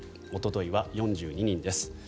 おとといは４２人です。